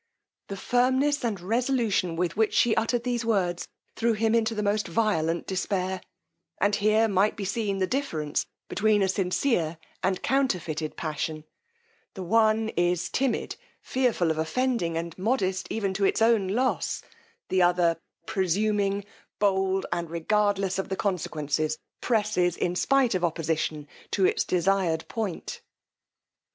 The firmness and resolution with which she uttered these words, threw him into the most violent despair; and here might be seen the difference between a sincere and counterfeited passion: the one is timid, fearful of offending, and modest even to its own loss; the other presuming, bold, and regardless of the consequences, presses, in spight of opposition, to its desired point.